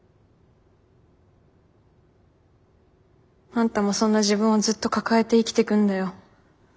あんたもそんな自分をずっと抱えて生きてくんだよ。